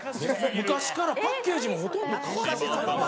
昔からパッケージもほとんど変わってないな。